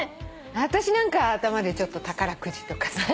私なんか頭でちょっと宝くじとかさ。